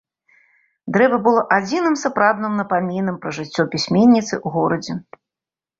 Дрэва было адзіным сапраўдным напамінам пра жыццё пісьменніцы ў горадзе.